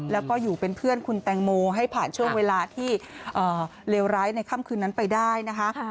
แล้วก็อยู่เป็นเพื่อนคุณแตงโมให้ผ่านช่วงเวลาที่เลวร้ายในค่ำคืนนั้นไปได้นะคะ